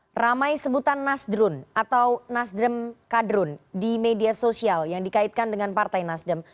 hai ramai sebutan nasdrun atau nasdem kadrun di media sosial yang dikaitkan dengan partai nasdem